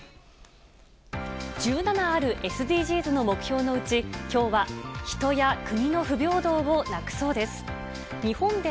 １７あるＳＤＧｓの目標のうち、きょうは人や国の不平等をなくそうです。